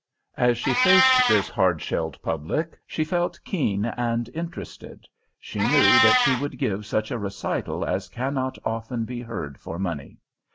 As she faced this hard shelled public she felt keen and interested; she knew that she would give such a recital as cannot often be heard for money.